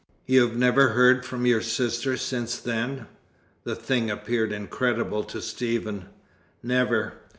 "You've never heard from your sister since then?" The thing appeared incredible to Stephen. "Never.